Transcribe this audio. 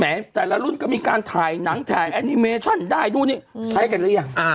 แต่ละรุ่นก็มีการถ่ายหนังถ่ายแอนิเมชั่นได้ดูนี่ใช้กันหรือยัง